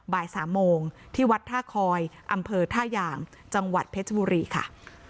บ่าย๓โมงที่วัดท่าคอยอำเภอท่ายางจังหวัดเพชรบุรีค่ะ